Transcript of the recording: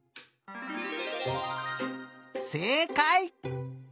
せいかい！